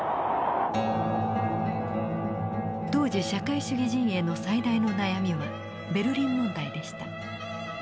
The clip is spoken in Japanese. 当時社会主義陣営の最大の悩みはベルリン問題でした。